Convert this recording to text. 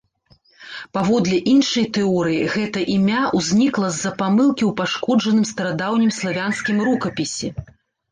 Паводле іншай тэорыі, гэта імя ўзнікла з-за памылкі ў пашкоджаным старадаўнім славянскім рукапісе.